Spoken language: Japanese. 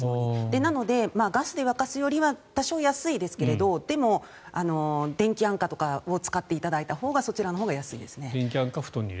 なのでガスで沸かすよりは多少安いですがでも電気あんかとかを使っていただいたほうがそちらのほうが安いです。